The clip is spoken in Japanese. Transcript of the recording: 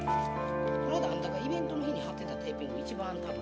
この間あんたがイベントの日に貼ってたテーピングが一番多分。